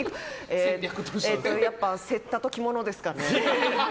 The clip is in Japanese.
やっぱ雪駄と着物ですかね。